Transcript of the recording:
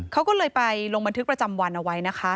เขาก็เลยไปลงบันทึกประจำวันเอาไว้นะคะ